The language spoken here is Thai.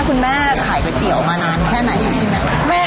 คุณแม่ขายก๋วยเตี๋ยวมานานแค่ไหนครับพี่แหม่มแม่